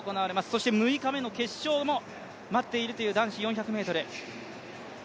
そして６日目の決勝も待っているという男子４００ｍ。